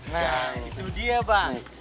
nah itu dia bang